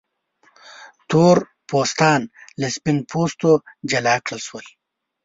تور پوستان له سپین پوستو جلا کړل شول.